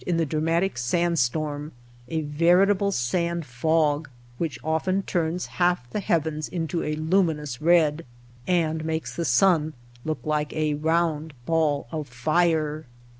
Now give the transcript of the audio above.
in the dramatic sand storm — a veritable sand fog which often turns half the heavens into a luminous red, and makes the sun look like a round ball of fire.